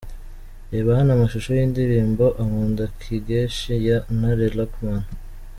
Reba hano amashusho y'indirimbo "Ankunda Kigeshi ya Ntare Luckman".